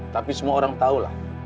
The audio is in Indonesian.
tapi semua orang tahulah